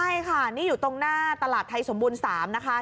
ใช่ค่ะนี่อยู่ตรงหน้าตลาดไทยสมบูรณ์๓นะคะ